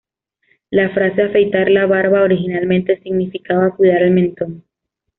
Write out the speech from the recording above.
La frase "afeitar la barba" originalmente significaba 'cuidar el mentón'.